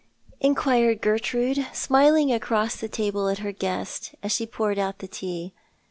inquired Gertrude, smiling across the table at her guest, as she poured out the tea.